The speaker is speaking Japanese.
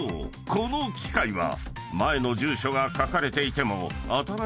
この機械は］